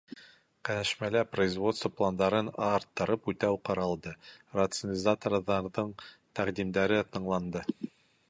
Кәңәшмәлә производство пландарын арттырып үтәү ҡаралды, рационализаторҙарҙың тәҡдимдәре тыңланды.